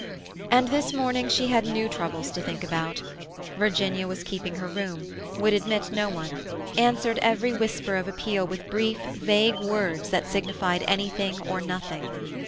And this morning she had new troubles to think about. Virginia was keeping her room; would admit no one; answered every whisper of appeal with brief, vague words that signified anything or nothing.